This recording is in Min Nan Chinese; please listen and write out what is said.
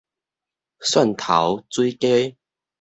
蒜頭水雞